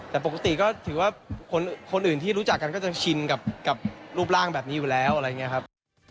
แต่ปกติก็ถือว่าคนอื่นที่รู้จักกันก็จะชินกับรูปร่างแบบนี้อยู่แล้วอะไรอย่างนี้ครับ